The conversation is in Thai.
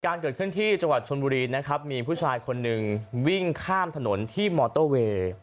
เกิดขึ้นที่จังหวัดชนบุรีนะครับมีผู้ชายคนหนึ่งวิ่งข้ามถนนที่มอเตอร์เวย์